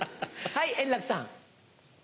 はい円楽さん。